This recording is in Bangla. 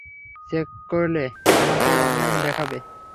চেক করলে আমাকে অনলাইন দেখাবে।